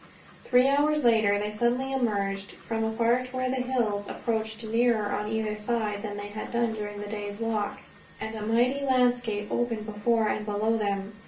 Three hours later they suddenly emerged, from a part where the hills approached nearer on either side than they had done during the day's walk, and a mighty landscape opened before and below them.